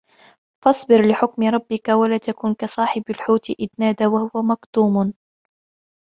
فَاصْبِرْ لِحُكْمِ رَبِّكَ وَلَا تَكُنْ كَصَاحِبِ الْحُوتِ إِذْ نَادَى وَهُوَ مَكْظُومٌ